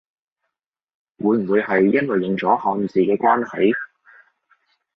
會唔會係因為用咗漢字嘅關係？